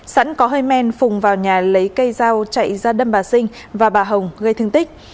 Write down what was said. sẵn có hơi men phùng vào nhà lấy cây dao chạy ra đâm bà sinh và bà hồng gây thương tích